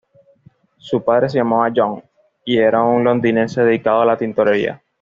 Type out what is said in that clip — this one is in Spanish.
Su padre se llamaba John, y era un londinense dedicado a la tintorería.